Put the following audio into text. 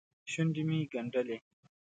شونډې مې ګنډلې.